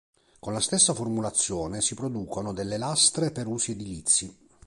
Con la stessa formulazione si producono delle lastre per usi edilizi.